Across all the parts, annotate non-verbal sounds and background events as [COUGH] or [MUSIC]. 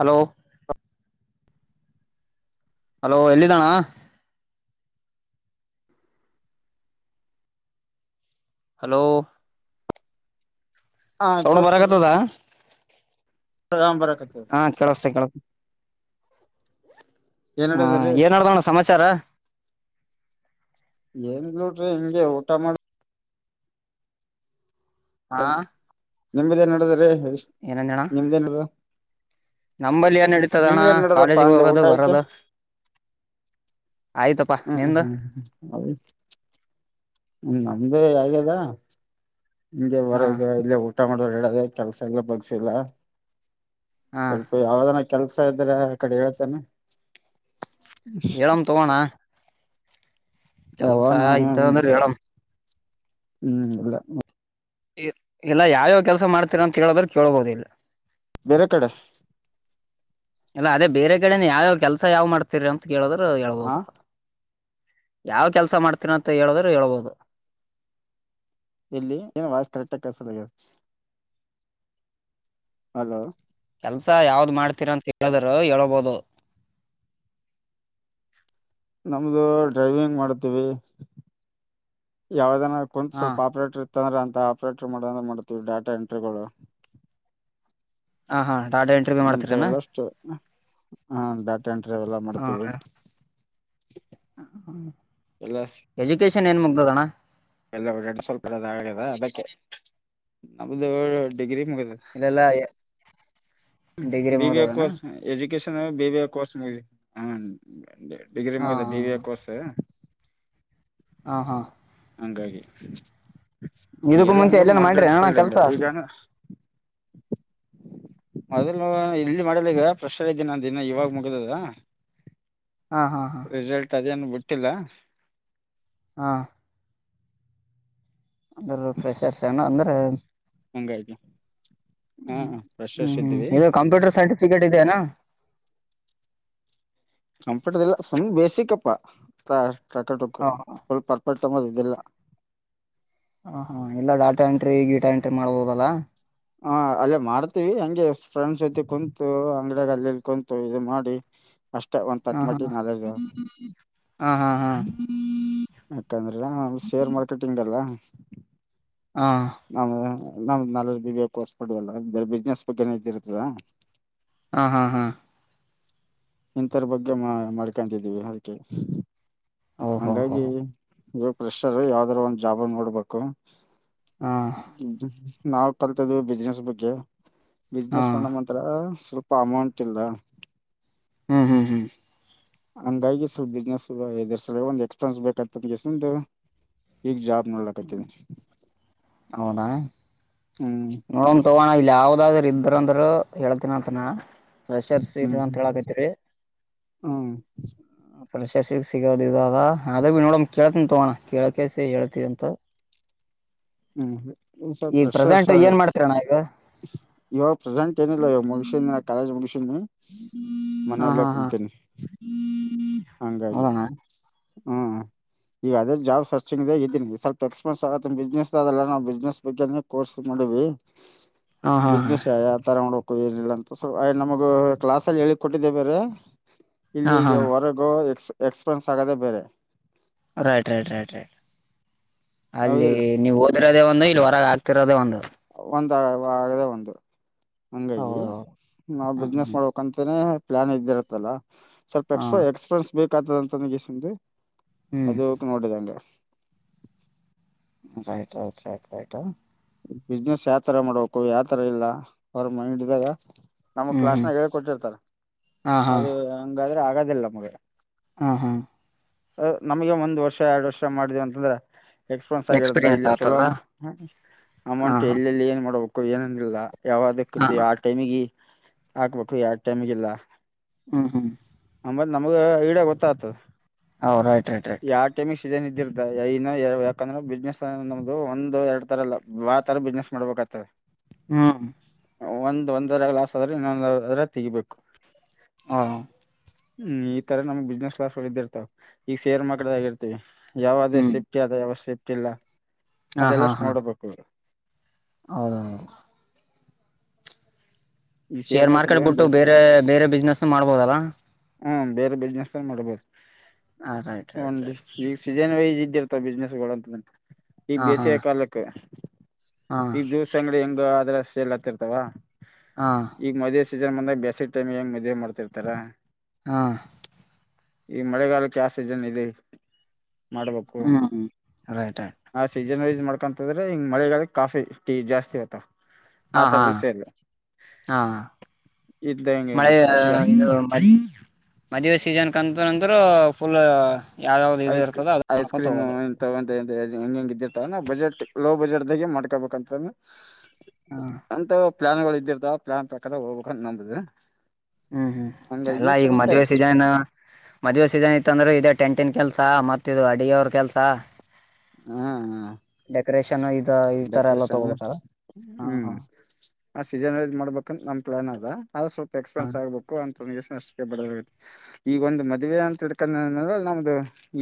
Hello hello ಎಲ್ಲಿದ್ದಾನ hello ಹಾ ಸೌಣ ಬರಗತ್ತದ ಹ ಬರ ಹಾ ಕೇಳಸ್ೇ ಕೆೇಳ ಏನ್ ಹ್ಮ ನಡದದ್ರಿ ಏನ್ ಮಾಡಡ್ದಣ ಸಮಾಚಾರ ಏಂಗ ನೋಡ್ರಿ ಹಂಗೆ ಊಟ ಮಾಡ ಹಾ ನಿಮ್ದೇನ್ ನಡದ್ರೀ ಏನಂದಣ ನಿಮ್ದೇನ ನಂಬಲ್ಲಿ ಏನ್ ನಡೀತದ ಅಣ್ಣ ನಡದಪ್ಪಾ ಕಾಲೇಜ್ಗೆ ಅಂದೆ ಊಟ ಹೋಗೋದು ಆಯ್ತ ಬರದ ಹ್ಮ್ ಹ್ಮ್ ಹ್ಮ್ ಹ ನಮ್ದು ಹಗ್ಯದ ಹಗೆ ಬರ ಹಾ ಇಲ್ಲ ಊಟ ಮಾಡುವರು ಹೇಳ ಅದೇ ಕೆಲಸಲ್ಲ ಬಗ್ಸಿಲ್ಲ ಹಾ ಸ್ವಲ್ಪ ಯಾವ ಕೆಲ್ಸ ಇದ್ರೆ ಕಡೆ ಹೇಳ್ತಾನ ಎರಮ ತೊಗೋಣ ಯಾವ ನ ಹ್ಮ್ ಅಂದ್ರೆ ಹೇಳಮ್ ಇಲ್ಲ ಎಲ್ಲ ಯಾವ್ಯಾವ ಕೆಲ್ಸ ಮಾಡ್ತೀರ ಅಂತ ಹೇಳದ್ರ ಕೇೇಳಬೋುದ ಇಲ್ಲ ಬೇರೆ ಕಡೆ ಇಲ್ಲ ಅದೇ ಬೇರೆ ಕಡೆನ ಯಾವ ಕೆಲ್ಸ ಯಾವ್ ಮಾಡ್ತಿರಿ ಅಂತ ಕೇಳಿದ್ರರು ಆ ಹೇಳ್ಬೋದು ಯಾವ ಕೆಲ್ಸ ಮಾಡ್ತೀನ ಅಂತ ಹೇಳುದ್ರರು ಹೇಳ್ಬೋದು ಎಲ್ಲಿ ಏನು ವ ಕರೆಕ್ಟ್ ಆಗ ಕಸ ಹಲೋ. ಕೆಲ್ಸ ಯಾವ್ದ್ ಮಾಡ್ತೀರ ಅಂತ ಹೇಳಿದರು ಹೇಳಬಹದು. [INAUDIBLE] ನಮ್ದು ಡ್ರೈವಿಂಗ್ ಮಾಡ್ತೀವಿ ಯಾವುದ ಏನ. ನ ಕುಂತ ಹಾ ಸ್ವಲ್ಪ ಆಪ್ರೇಟರ್ ಇತ್ತ ಅಂದ್ರ ಅಂತ ಆಪ್ರೇಟರ್ ಮಾಡಂದ್ರೆ ಮಾಡ್ತೀವಿ ಡಾಟಾ ಎಂಟ್ರಿಗಳು. ಹ ಹಾ. ಡಾಟಾ ಎಂಟ್ರಿ ಮಾಡ್ತೀರನಾ ಇಂಥವೆಲ್ಲಷ್ಟು ಹಾ ಡಾಟಾ ಎಂಟ್ರಿ ಅವಲ್ಲ ಮಾಡ್ತೀವಿ. ಎಲ್ಲ ಎಜುಕೇಶನ್ ಏನ್ ಮುಗ್ದದಣ್ಣ. ಎಲ್ಲ ರೆಡ್ ಸ್ವಲ್ಪ [UNINTELLIGIBLE] ಆಗಿದ ಅದಕ್ಕೆ ನಮ್ದು ಡಿಗ್ರಿ. ಮುಗ್ದಾದ ಇಲ್ಲೆಲ್ಲಾ degree ಮುಗ್ದದನ [UNINTELLIGIBLE] education. B B A course ಮುಗಿ ಹು ಡಿಗ್ರಿ ಹಾ ಮುಗಿದೆ ಡಿ ಎ ಕೋರ್ಸ್ ಸ. ಹ ಹಾ. ಹಂಗಾಗಿ. ಇದಕ್ಕೂ ಈಗೆಲ್ಲ ಮುಂಚೆ ಅಂದು ಎಲ್ಲೇನ ಮಾಡ್ರಿ ಮಾರ್ಕೆಟ್ ಅಣ್ಣ ಕೆಲ್ಸ ಫೀಲ್ಡ್ಂ ಈಗ. ಮೊದಲ್ ಇಲ್ಲಿ ಮಾಡಲಿಗ ಪ್ರೆಷರ್ ಇದ್ದೀ ನ ದಿನ ಇವಾಗ ಮುಗಿದದ. ಹಾ ಹಾ ಹಾ ರಿಸಲ್ಟ್ ಅದೇನ ಬಿಟ್ಟಿಲ್ಲ. ಹಾ. ಅಂದ್ರ ಫ್ರೆಶರ್ಸ್ ಏನ ಅಂದ್ರೆ. ಹಂಗಾಯದ. ಹ್ಮ ಹ್ಮ್ ಹ್ಮ್ ಇದು ಕಂಪ್ಯೂಟರ್ ಸೈಡ್. ಫಿಕೇಟ್ ಆಯ್ತಿ ಏನು. ಸರ್ಟಿಫಿಕೇಟ್ ಇಲ್ಲ ಸುಮ್ ಬೇಸಿಕ್ ಅಪ್ಪ ಟಾಟಾ ಹ [UNINTELLIGIBLE] ಫುಲ್ ಪರ್ಫೆಕ್ಟ್. ತೊಗೊಂಡಿದ ಇಲ್ಲ. ಹ ಹಾ ಇಲ್ಲ ಡಾಟಾ ಎಂಟ್ರಿ ಗೀಟಾ ಎಂಟ್ರಿ ಮಾಡ್ಬೋದಲ್ಲಾ. ಹ ಅಲ್ಲೇ ಮಾಡ್ತೀವಿ ಹೆಂಗೆ ಫ್ರೆಂಡ್ಸ್ ಜೊತೆ ಕುಂತು ಅಂಗಡ ಅಲ್ಲಿಲ್ಲಿ ಕುಂತು ಇದು ಮಾಡಿ. ಅಷ್ಟೇ ಒಂದ್ ಹಾ ತಕ್ ಹಾ ಮಟ್ಟಿಗ ನಾಲೇಜ್ ಅದ. ಹಾ ಹಾ ಹಾ [UNINTELLIGIBLE] ಶೇರ್ ಮಾರ್ಕೆಟಿಂಗ್ ಅಲ್ಲ. ಹಾ ನಾವ ನಮ್ದ ನ ಬಿ [UNINTELLIGIBLE] ಬಿಸ್ನೆಸ್ ಬಗ್ಗೆ ಏನ್ದ ಇರ್ತದಾ. ಹ ಹಾ ಹಾ. ಹಿಂತರ ಬಗ್ಗೆ ಮಾ ಮಾಡ್ಕಂತಿದ್ದೀವಿ ಅದಕೆ. ಓಹೋ ಹೋ ಹಂಗಾಗಿ ಇವಾಗ ಪ್ರೆಷರ್ ಯಾವ್ದ್ರ ಒಂದ್ ಜಾಬ ನೋಡ್ಬೇಕು. ಹಾ ನಾವ್ ಕಲ್ತದ್ ಬಿಸ್ನೆಸ್ ಬಗ್ಗೆ. ಹಾ ಬಿಸ್ನೆಸ್ ಮಾಡಮ್ಮ ಅಂತ್ರ ಸ್ವಲ್ಪ ಅಮೌಂಟ್ ಇಲ್ಲ. ಹ್ಮ್ ಹ್ಮ್ ಹ್ಮ್. ಹಂಗಾಗಿ ಸ್ವಲ್ಪ ಬಿಸ್ನೆಸ್ ಇದ ಸರ್ ಒಂದ ಎಕ್ಸ್ಪೀರಿಯನ್ಸ್ ಬೇಕ ಆತ ಕೆಸಿಂದ ಈಗ ಜಾಬ್ ಮಾಡಲಕತಿವ್ರಿ. ಹೌದಾ ನೋಡನ್ ತಗೋ ಅಣ್ಣ ಇಲ್ಲ ಯಾವ್ದಾದ್ರರು ಇದ್ರ ಅಂದ್ರ. ಹೇಳತಿನಿ ಅಂತ ನಾ. ಫ್ರೆಷರ್ಸ್ ಇ ಹ್ಮ್ ಅಂತ ಹ್ಮ್ ಹೇಳಕತಿರಿ ಅ ಫ್ರೀ. ಟೆಸ್ಟ್ ಸೀರೀಸ್ ಸಿಗೋದ ಇವಾಗ ಅದೇ ಬಿ ನೋಡಣ ಕೇಳ್ತೀನಿ. ತೊಗೊ ಅಣ್ಣ ಕೇಳಕೆಸೆ ಹೇಳ್ತೀವಿ ಅಂತ. ಹ್ಮ್ ಸ್ವಲ್ಪ ಈಗ ಪ್ರೆಷರ್ ಪ್ರೆಸೆಂಟ್ ಏನ್ ಮಾಡ್ತೀರಣ್ಣ ಈಗ ಇವಾಗ ಪ್ರಧಾಂಂತ ಏನಿಲ್ಲ ಇವಾಗ ಮುಗಷ್ಯಂದಿ ಕಾಲೇಜ್ ಮುಗಸ್ಯಿ ಹಾ ಮನೆಯಲ್ಲೇ ಕುಂತೀನಿ. ಹಂಗಾಗಿ ಹೌದ ಅಣ್ಣ. ಹ್ಮ್ ಈಗ ಅದೇ ಜಾಬ್ ಸರ್ಚಂಗ ದಾಗ ಇದ್ದೀನ ಸ್ವಲ್ಪ ಎಕ್ಸ್ಪೆನ್ಸ್ ಆತು ಬಿಸ್ನೆಸ್ ಅಲ್ಲ ನಾವು ಬಿಸಿನೆಸ್ ಬಗ್ಗೆ ಕೋರ್ಸ್. ಮಾಡಿವಿ ಹಾ ಹಾ ಬಿಸಿನೆಸ್ ಹಾ ಯಾವ ತರ ಮಾಡಬೇಕ. ಏನಿಲ್ಲ ಅಂತ ಸ್ ನಮಗ ಕ್ಲಾಸ್ ಅಲ್ಲಿ ಹೇಳಿ ಕೊಟ್ಟಿದ್ದೆ ಬೇರೆ ಇಲ್ಲಿ ಈಗ ಹಾ ಹಾ ಹೊರಗ್ ಎಕ್ಸ್ ಎಕ್ಸ್ಪೀರಿಯನ್ಸ್ ಆಗೋದೆೇ ಬೇರೆ. ರೈಟ್ ರೈಟ್ ರೈಟ್ ರೈಟ್ ಅಲ್ಲಿ ಹೌದಿಲ್ಲ ನೀವು ಓದಿರದೇ ಒಂದು ಇ ಹೊರಗ ಆ ಆಗ್ತಿರೋದೇ ಒಂದ. ಒಂದ ಆಗದೆ ಒಂದು. ಹಂಗಾಗಿ ಹೌದು ನಾವವು ಹ್ಮ ಬಿಸ್ನೆಸ್ ಹ್ಮ್ ಮಾಡ್ಬೇಕಂತನೇ ಪ್ಲಾನ್ ಇದ್ದಿರತ್ತಲ್ಲ ಸ್ವಲ್ಪ ಹಾ ಎಸ್ಟ್ರಾ ಎಕ್ಸ್ಪೀರಿಯನ್ಸ್ ಬೇಕತದಂತ ನಗಸ ಹ್ಮ್ ಅದ ನೋಡಿದಂ ರಯತ ಆಯ್ತ್ ಆಯ್ತ ರಾಯತ ಬಿಸ್ನೆಸ್ ಯಾವ ತರ ಮಾಡ್ಬೇಕು ಯಾವತರ ಇಲ್ಲ ಅವ್ರ ಮನಿದಾಗ ನಮ್ ಹ್ಮ್ ಹ್ಮ್ ಕ್ಲಾಸ್ನಾಗ ಹೇಳ ಕೊಟ್ಟಿರ್ತಾರ ಹಾ ಹಾ ಅದು ಹಂಗಾದ್ರೆ ಆಗದಿಲ್ಲ ನಮ್ಗ ಹಾ ಹಾ ನಮ್ಗೆ ಒಂದ್ ವರ್ಷ ಎರಡು ವರ್ಷ ಮಾಡಿದವ ಅಂತಂದ್ರೆ ಎಕ್ಸ್ಪ್ರನ್ಸ್ ಆಗಿರುದ ಎಕ್ಸ್ಪೀರಿಯನ್ಸ್ ಇಲ್ಲಿ ಚಲೋ ಆಗ್ತದ ಹಾ ಅಮೌಂಟ್ ಹಾ ಎಲ್ಲೆಲ್ಲಿ ಏನ್ ಮಾಡಬೇಕು ಏನೇನು ಇಲ್ಲ ಯಾವ್ದ ಹಾ ಕತ ಆ ಟೈಮಗ ಹಾಕ್ಬೇಕು ಯಾವ ಟೈಮಿಗೆಲ್ಲ ಹ ಹ್ಮ ನಮ್ಗ ಈಡ ಗೊತ್ತಾಗ್ತದೆ ಹ ರೈಟ್ ರೈಟ್ ರೈಟ್ ನ್ ಇದಿರ್ತ ಯಾಕಂದ್ರೆ ಬಿಸ್ನೆಸ್ ನಮ್ದು ಒಂದು ಎರಡು ರಲ್ಲ ಯಾವತರ ಬಿಸ್ನೆಸ್ ಮಾಡ್ಬೇಕಾಗತ್ತದೆ ಹ್ಮ್ ಒಂದ್ ಒಂದರ ಗ್ಲಾಸ್ ಆದ್ರೆ ಇನ್ನೊಂದ ಅದ್ರ ತೆಗಿಬೇಕು ಹಾ ಹ್ಮ್ ಈ ತರ ನಮ್ಗ್ ಬಿಸ್ನೆಸ್ ಕ್ಲಾಸ್ ಇದಿರ್ತಾವ ಈಗ ಸೇರ್ ಮಾರ್ಕಡ ಆಗಿರ್ತವಿ ಯಾವದೇ ಸೇಫ್ಟಿ ಆದ ಯಾವ ಸೇಫ್ಟಿ ಇಲ್ಲ ಹಾ ಹಾ ಅದೆಲ್ಲಷ್ಟು ನೋಡ್ಬೇಕು ಆ ಶೇರ್ ಮಾರ್ಕೆಟ್ ಬಿಟ್ಟು ಬೇರೆ ಬೇರೆ ಬಿಸ್ನೆಸ್ ಮಾಡ್ಬೋದಲ್ಲಾ ಹ್ಮ ಬೇರೆ ಬಿಸ್ನೆಸ್ ಅಲ್ಲಿ ಮಾಡ್ಬೋದು ಹಾ ರೈಟ್ ರಯಟ್ ರ ಸೀಜನ್ ವೈಸ್ ಇದ್ದಿರ್ತಾವ ಬಿಸ್ನೆಸ್ ಂತ ಈಗ ಹಾ ಹಾ ಬೇಸಿಗೆ ಕಾಲಕ್ಕೆ ಹಾ ಈಗ ದಿವ್ಸ ಅಂಗಡಿ ಹೆಂಗ ಅದ್ರ ಸೇಲ್ ಹತ್ತಿರ್ತಾವ ಹಾ ಈಗ ಮದ ೀಜನ್ ಬಂದಾಗ ಬೇಸಿ ಟೈಮ್ ಹೆಂಗ್ ಮದುವೆ ಮಾಡ್ತಿರ್ತಾರ ಹಾ ಈ ಮಳೆಗಾಲಕ್ಕೆ ಯ ಸೀಜನ್ ಇದೆ ಮಾಡ್ಬೇಕು ಹ್ಮ್ ರೈಟ್ ರೈಟ್ ಆಸ ಜನಸ್ ಮಾಡ್ಕಂತದ್ರೆ ಹಿಂಗ ಮಳೆಗಾಲ ಕಾಫಿ ಟೀ ಜಾಸ್ತಿ ಆಐತ್ತ ಹಾ ಹಾ ಹಾ ಇದ್ದ ಹಿಂಗೆ ಮಳೆ ಮದ್ವೆೆ ಸೀಜನ್ ಕಂತಂದ್ರ ಐಸ್ ಕ್ರ ಐಸ್ ನೋಡ್ಕೊಂತ ಕ್ರೀಮ್ ಹೋಗೋದು ಇಂತ ಹೆಂಗ್ ಹೆಂಗ ಇದ್ದಿರ್ತಾವ ನ ಬಜೆಟ್ ಲೋ ಬಜೆಟ್ದಾಗೆ ಮಾಡ್ಕೊಬೇಕಂತ ಹ್ಮ್ ಅಂತ ಪ್ಲಾ ಗಳು ಇದಿರ್ದಾವ ಪ್ಲಾನ್ ಪ್ರಕಾರ ಹೋಗ್ಬೇಕಂತ ನಂಬದು ಹ್ಮ್ ಹ್ಮ್ ಅಲ್ಲಾ ಈಗ ಮದ್ವೆೆ ಸೀಸನ್ ಮದ್ವೆೆ ಸೀಸನ್ ಇ ಇಂದ್ರರು ಇೇ ಟೆಂಟನ್ ಕೆಲ್ಸ ಮತ್ತ ಇದು ಅಡಗೆವ್ರ ಕೆಲ್ಸ ಹ್ಮ್ ಹ್ಮ್ ಡೆಕೋರೇನ್ ಇದು ಡೆಕೋರೇಷನ್ ಹ್ಮ್ ಹಾ ಆ ಸೀಜನ್್ ಮಾಡ್ಬೇಕಂದ ನಮ್ ಪ್ಲಾನ್ ಆಗ ಅದು ಸ್ವಲ್ಪ ಎಕ್ಸ್ಪೆನ್ಸ್ ಆಗ್ಬೇಕು ಅಂತ ಷ್ಟ ಈಗ ಒಂದು ಮದುವೆ ಅಂತಡ್ಕೊಂಡ ನಮ್ದು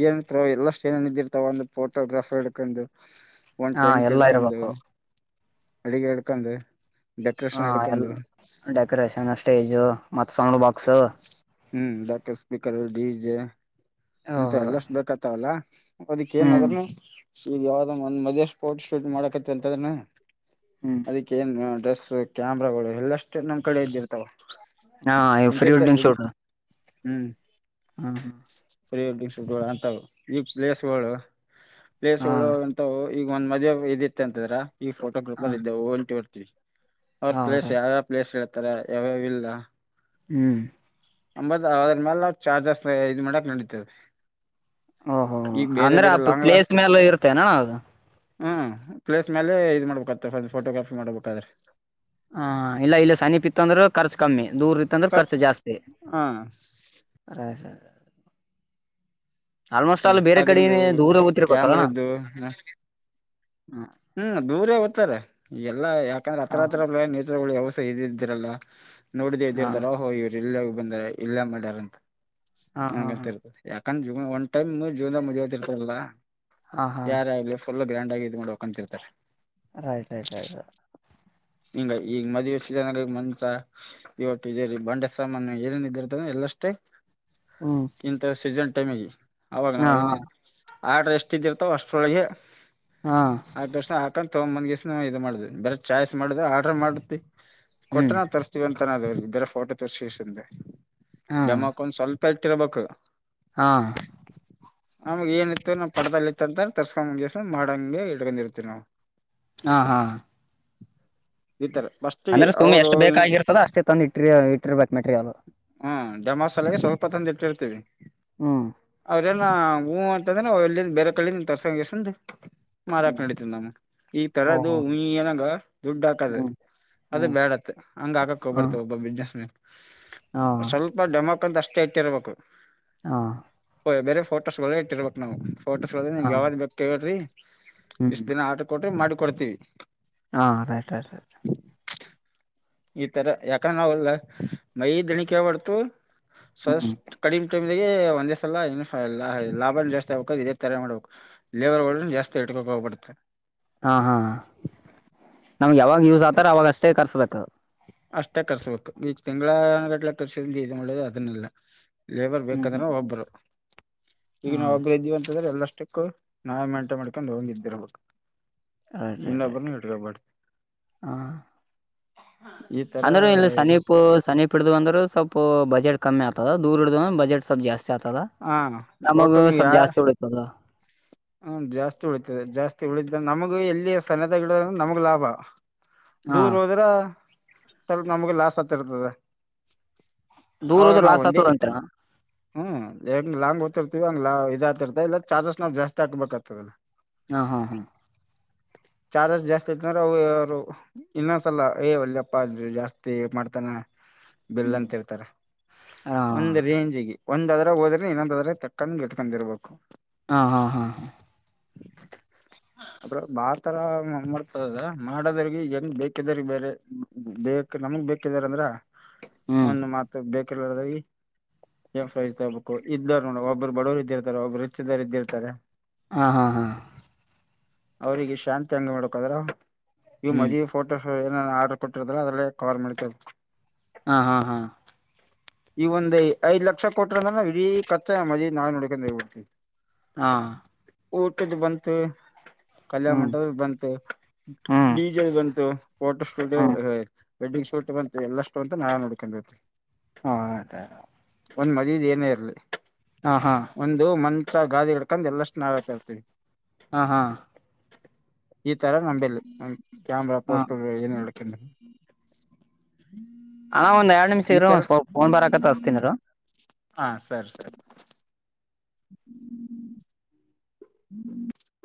ಏನೋ ಎಲ್ಲ ಏನ ಬಂದಿರ್ತಾವ ಒಂದು ಫೋಟೋಗ್ರಾಫರ್ ಹಿಡ್ಕೊಂಡು ಒಂದು್ ಹಾ ಟ್ಯಾಂಕ್ ಎಲ್ಲಾ ಹಡ್ಕೊಂಡು ಇರ್ಬೇಕು ಅಡಗೆ ಹಳ್ಕಂದು ಹಾ ಎ ಡೆಕೋರೇಷನ್ ಸ್ಟೇಜು ಮತ್ ಸೌಂಡ್ ಬಾಕ್ಸ್ ಹ್ಮ್ ಡಾಕ್ಟರ್ ಸ್ಪೀಕರ್ ರೆಡ್ಡಿಜ ಇಂತ ಓಹೋ ಎಲ್ಲಷ್ಟು ಬೇಕತ್ತಾವಲ್ಲ ಅದಿಕ್ ಹ್ಮ್ ಏನಾದ್ನು ಈಗ ಯಾವ್ದ ಒಂದ್ ಮದುವೆ ಫೋಟೋ ಶೂಟ್ ಮಾಡಕತ್ತ ಅಂತದ್ರ ಹ್ಮ್ ಅದಕ್ಕ ಏನ್ ಡ್ರೆಸ್ ಬಸು ಕ್ಯಾಮ್ರಾಗಳು ಎಲ್ಲಷ್ಟು ನಮ್ ಕಡೆ ಇದ್ದಿರ್ತಾವ. ಹಾ, ಫ್ರೀ ಇಂತಿಂತ ವೆಡ್ಡಿಂಗ್ ಬಿಡ್ ಶೂಟ್. ಹ್ಮ್,,, ಹ್ಮ ಹಾ [INAUDIBLE] ಸರಿಗಳು ಅಂತವು ಈ ಪ್ಲೇಸ್ಗಳು ಹಾ ಪ್ಲೇಸ್ಗಳು ಅಂತವು [UNINTELLIGIBLE] ಈಗ ಒಂದ್ ಮದುವೆ ಇತ್ತ ಅಂತದ್ರ ಈ ಹ ಫೋಟೋಗ್ರೂಪರ್ ಇದೆವು ಹೊಲ್ಟಿ ಬರ್ತವಿ. ಅವ್ರ ಹ ಪ್ಲೇಸ್ ರೈಟ್ ಯಾವ್ಯಾವ ಪ್ಲೇಸ್ ಹೇಳ್ತಾರ ಯಾವ್ಯಾವಿಲ್ಲ. ಹ್ಮ್, ಅಂಬತ್ದ್ರ ಮೇಲೆ ಚಾರ್ಜಸ್ ಇದು ಮಾಡಕ್ ನಡೀತೇದ. ಓಹೋ, ಅಂದ್ರೆ ಆ ಲಾಂಗ್ ಪ್ಲೇಸ್ ಮೇಲೆ ಇರ್ತೇನಣ್ಣ ಅದು. ಹ್ಮ್, ಪ್ಲೇಸ್ ಮೇಲೆ ಇದ ಮಾಡ್ಬೇಕಾಗತ ಅಕಡಿ ಫೋಟೋಗ್ರಾಫಿರ್ ಮಾಡ್ಬೇಕಾದ್ರೆ, ಹಾ, ಇಲ್ಲ, ಇಲ್ಲೆ ಸಮಿ ಪಿತ್ತ ಅಂದ್ರರು ಖರ್ಚು ಕಮ್ಮಿ. ದೂರ ಇತ್ತಂದ್ರ ಕಟ್ ಖರ್ಚು ಜಾಸ್ತಿ. ಹಾ ಆಲ್ಮೋಸ್ಟ್ ಆಲ್ ಬೇರೆ ಕಡೆ ಂದು ದೂರ ಓತಿರ್ಬೇಕಲ್ಲಣ ಕ್ಯಾಮ್ರದ್ದು [UNINTELLIGIBLE] ಹ್ಮ್, ದೂರೇ ಹೋಗ್ತಾರಎಲ್ಲಾ ಯಾಕಂದ್ರೆ ಹಾ ಹತ್ರ- ಹತ್ರ ನೇಚರಗಳು ಇದ ಇದರಲ್ಲ ನೋಡ್ದ ಹಾ ಇದ್ದಿರ್ತಾರ ಹೊ ಇವ್ರ ಇಲ್ಲೆ ಬಂದ ಇಲ್ಲೇ ಮಾಡ್ಯಾರಂತ. ಹಾ ಹಾ ಹಂತ ಇರ್ತ ಯಾಕಂದ್ರಜೀವ ಒನ್ ಟೈಮ್ ಜೀವನದಾಗ ಮದುವೆಆತಿ ಇರ್ತಾರಲ್ಲಾ. ಹಾ ಹಾ ಯಾರಾಗಲಿ ಫುಲ್ ಗ್ರ್ಯಾಂಡ್ ಆಗಿ ಇದು ಮಾಡ್ಬೇಕ ಅಂತಿರ್ತಾರೆ. ರೈಟ್ ಆಯಟ್ ಆಯಟ್ [UNINTELLIGIBLE] ಹಿಂಗ ಈಗ ಮದುವೆ ಮಂಚ, ಇ ವುಟ್ಟಜರಿ ಬಂಡೆ ಸಾಮಾನು ಏನೇನ್ ಇದರ್ತ ಎಲ್ಲ ಅಷ್ಟೆ ಹ್ಮ್ ಇಂತ ಸೀಸನ್ ಟೈಮಿಗಿಅವಾಗ ಹಾ ನಾವ್ ಹಾ ಏನೇನು ಆರ್ಡ್ರ ಎಷ್ಟ ಇದ್ದಿರ್ತಾವ ಅಷ್ಟ್ರೊಳಗೆ ಹಾ ಆ ಡ್ರೆಸ್ ಹಾಕಂತ ತೊ ಗಮಂದಗೆಸಿಂದ ಇದು ಮಾಡಿಬರೆ ಚಾಯ್ಸ್ ಮಾಡುದು. ಆಡರ್ ಮಾಡ್ತಿ ಕೊಟ್ರ ಹ್ಮ್ ನಾವ್ ತರ್ಸ್ತಿವಿಂತ, ಇದರ ಫೋಟೋ ತೋರಿಸಿಂದ ಹಾ ಡೇಮೊಕ ಸ್ವಲ್ಪ ಇಟ್ಟಿರ್ಬೇಕು. ಹಾ, ನಮಗ ಏನಿತ್ತು ನಾ ಪಕದಲ್ಲಿ ಇತ್ತ ಅಂತ ತರ್ಸ್ಕೊಂಗಸ ಮಾಡಂಗಗೆ ಇಳ್ಕೊಂಡಿರ್ತಿವಿ ನಾವು. ಹಾ, ಹಾ,, ಈ ತರ ಫಸ್ಟಿಗೆ ಅಂದ್ರೆ ಸುಮ್ಮ ಅವರು ಎಷ್ಟ ಬೇಕಾಗಿರ್ತದ ಅಷ್ಟೇ ತಂದು ಇಟ್ಟರ್ ಇಟ್ಟಿರ್ಬೇಕು. ಮೆಟೀರಿಯಲ್ ಹ್ ಡೆಮ್ಸ ಸಲಗೆ ಸ್ವಲ್ಪ ತಂದ ಇಟ್ಟಿರ್ತೀವಿ. ಹ್ಮ್, ಹ್ಞೂಂ, ಅಂತಂದ್ರೆ ಎಲ್ಲಿಂದ ಬೇರೆ ಕಳ್ಳಿಂದ ತರ್ಸಸಂದಗೆಸಿಂದ ಮಾರಾಕ್ ಹ್ಮ್ ನಡತಿದ ನಮ್ಮ ಈಗ ತರದು ಓಹೋ ಹ್ ಏನಂಗ ದುಡ್ ಹಾಕದ. ಹ್ಮ್ ಅದ ಹ್ಮ್ ಬೇಡತ್ತತ್ ಹಂಗ್ ಆಗಕಕ್ ಹ್ಮ್ ಹೋಗಬರ್ತವ ಒಬ್ಬ ಬಿಿಸಜ್ನೆಸ್ ಮೇಲೆ [UNINTELLIGIBLE] ಹಾ ಸ್ವಲ್ಪ ಡೆಮಾಕ ಅಂತ ಅಷ್ಟೇ ಇಟ್ಟಿರ್ಬೇಕು. ಹಾ, ಬೇರೆ ಫೋಟೋಸ ಲ್ಲೇ ಇಟ್ಟಿರ್ಬೇಕಕ್ ನಾವುಫೋಟೋಸ್ಸ್ಲ್ಲ ನ ಹಾ ಯಾವ್ದ ಬೇಕ್ಕೇಳ್ರಿ ಹ್ಮ್ ಇಷ್ಟ ದಿನ ಆಡ್ರ ಕೊಟ್ರ ಮಾಡಿ ಕೊಡ್ತೀವಿ. ಹಾ, ರೈಟ್ -ರೈಟ್ ಈತರ ಯಾಕಂದ್ರ ನಾವು ಮೈ ದಣಿ ಕ್ಯಾಗ ಬಾಡ್ತು. ಹ್ಮ್ ಸಷ್ಟ ಕಡಿಮ ಟೈಮ [UNINTELLIGIBLE] ಒಂದೆಸಲ ಲಾಭ ಜಾಸ್ತಿ ಆಗ್ಬೇಕ ಇದೇ ತರ ಮಾಡ್ಬೇಕು ಲೇಬರ್ ಜಾಸ್ತಿ ಇಟ್ಕೋುಬೇಕ್ರಿ. ಉಪೋಗಪಡ್ುತ್ತ [UNINTELLIGIBLE] ಹಾ ಹಾ ನಮ್ಗೆ ಯಾವಾಗ ಯೂಸ್ ಆತಾರ ಅವಾಗ ಅಷ್ಟೇ ಕರ್ಸ್ಬೇಕ. ಅಷ್ಟೇ ಕರ್ಸ್ಬೇಕು. ಈಗ ತಿಂಗಳ ಗಟ್ಲೆಕರ್ಸ ಇದು ಮಾಡದು ಅದನ್ನೆಲ್ಲ. ಲೇಬರ್ ಹ್ಮ್ ಹ್ಮ್ ಬೇಕಂದ್ರೆ ಒಬ್ಬರು, ಈಗ ಹಾ ನಾವು ಒಬ್ಬರು ಇದೀವಿಂತಂದ್ರೆ ಎಲ್ಲ ಅಷ್ಟಕ್ಕು ನಾವ್ ಮೆಂಟೇನ್ಮಾಡ್ಕೊಂಡ್ ಹೋಗಿದ್ದಿರ್ಬೇಕ್ ಆಟ್ಟ್ ಆು ಹ ಈ [UNINTELLIGIBLE] ತರ ಅಲ್ಲೆ ರೇಲ್ಲಿ ಸನೀಪ್- ಸನೀಪ್ ಹಿಡ್ದು ಅಂದ್ರರು ಸ್ವಲ್ಪ ಬಜೆಟ್ ಕಮ್ಮಿ ಆಗ್ ತದ ದೂರ್ ಹಡಿದ ಬಜೆಟ್ ಸ್ವಲ್ಪ ಜಾಸ್ತಿ ಆತದ ಹ ಫೋಟೋ ನಮಗು ನೀ ಸ್ವಲ್ಪ ಯಾ ಜಾಸ್ತಿ ಉಳಿತದ. ಹ್ಮ ಜಾಸ್ತಿ ಉಳಿತದೆ ಜಾಸ್ತಿ ಉಳಿದ ನಮಗು ಎಲ್ಲಿ ಸನ್ನದ ಗಿಡದ ನಮಗ್ ಲಾಭ. ಹಾ ದೂರ್ ಹೋದ್ರ ಸ್ವಲ್ಪ ನಮಗೆ ಲಾಸ್ ಆತಿರ್ತದೆ. ದೂರೋದ್ರ ಲಾಸ್ ಆಗ್ತದ ಅಂತೆನಾ. ಹ್ಮ್ ಎಂಗ್ ಲಾಂಗ್ಓದತಿರ್ತಿವಿಂಗ ಲಾ ಇದ ಆತಿರ್ತ ಇಲ್ಲ ಚಾರ್ಜಸ್ ನಾವ್ ಜಾಸ್ತಿ ಹಾಕ್ಬೇಕಾಗತದ. ಹಾ ಹಾ ಹಾ ಚಾರ್ಜಸ್ ಜಾಸ್ತಿ ಇತ್ತಂದ್ರೆ ಅವ ಅವರು ಇನ್ನೊಸಲ್ಲ ಏ ವಲ್ಲೆಪ್ಪ ಅ ಜಾಸ್ತಿ ಮಾಡ್ತಾನ. ಹ್ಮ್ ಬೆಲ್ಂತರ್ತಾರ ಹಾ ಒಂದ ರೇಂಜಿಗೆ. ಒಂದ್ದ್ರಗ್ ಹೋದ್ರೆ ಇನ್ನೊಂದ್ರಗ ತಕ್ಕೊಂಡ್ ಗಿಟ್ಕೊಂಡಿರ್ಬೇಕು. ಹಾ ಹಾ ಹಾ ಹಾ ತರ ಮಾಡ್ತದ ಮಾಡದ್ರಿಗೆ ಹೆಂಗ್ ಬೇಕಿದಾರ ಬೇರೆ ಬೇಕ ನಮಗ್ ಬೇಕಿದಾರ ಅಂದ್ರ. ಹ್ಮ್ ಒಂದು ಮಾತ ಬೇಕು. ತಬೇಕು [UNINTELLIGIBLE] ಇದ ನೋಡ ಒಬ್ರು ಬಡವರು ಇದ್ದಿರ್ತಾರೆ ಒಬ್ರು ರಿಚ್ಚ್ ಇದ್ದಾರ ಇದ್ದಿರ್ತಾರೆ. ತರೆ. ಹಾ ಹಾ ಹಾ ಅವರಿಗೆ ಶಾಂತಿ ಅಂಗ ಮಾಡಕಾದ್ರ ಇವು ಹ್ಮ್ ಮದುವೆ ಫೋಟೋ ಏನೇ ಆಡರ್ ಕೊಟ್ಟಿರದ್ರ ಅದರಲ್ಲೇ ಕವರ್ ಮಾಡ್ಕೋಬೇಕು. ಹಾ ಹಾ ಹಾ ಈ ಒಂದ ಐದ್ ಲಕ್ಷ ಕೊಟ್ರೆ ಅಂದ್ರ ಇಡೀ ಖರ್ಚ ಮದಿವಿದ್ ನಾವೆ ನೋಡ್ಕಂತೀವಿ. ಹಾ ಊಟದ ಬಂತು. ಕಲ್ಯಣ ಹ್ಮ್ ಮಂಟಪ ಬಂತು ಹ್ಮ್ ಡೀಜಲ್ ಬಂತು ಫೋಟೋ ಸ್ಟುಡಿಯೋ ಹ್ಮ್ ಹೋ. ವೆಡ್ಡಿಂಗ್ ಶೂಟ್ ಬಂತು ಎಲ್ಲಷ್ಟು ಅಂತ ನಾ ನೋಡ್ಕೊಂಡ್ತೀವಿ. ಹಾ ಆದ. ಒಂದ್ ಮದಿವೀದ ಏನೇ ಇರಲಿ ಒಂದು ಮ ಗಾದಿ ಗಡ್ಕಂಡ್ ಎಲ್ಲಾ ಷ್ಟ ನಾವೇ ತರ್ತೀವಿ. ಹಾ ಹಾ ಈ ತರ ನಂಬಲ್ಲಿ ನ ಕ್ಯಾಮ್ರಾ ಹಾ ಪೋಸ್ಟರ್ ಏನ್ ಹೇಳ್ಕಿಲ್ಲ. ಹಾ ಒಂದ್ ಎರಡ್ ನಿಮಿಷ ಇರು ಸ್ವಪ ಫೋನ್ ಬಾರಕತ್ತ ಅಸ್ತೀನಿರ. ಹಾ ಸರಿ ಸರಿ. [INAUDIBLE]